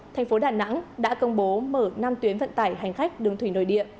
thành phố đà nẵng đã công bố mở năm tuyến vận tải hành khách đường thủy nội địa